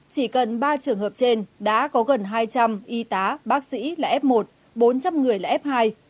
chỉ cần ba trường hợp trên đã có gần hai trăm linh y tá bác sĩ là f một bốn trăm linh người là f hai